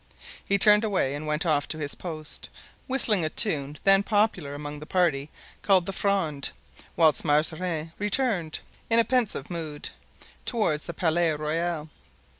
He turned away and went off to his post, whistling a tune then popular among the party called the "Fronde," whilst Mazarin returned, in a pensive mood, toward the Palais Royal.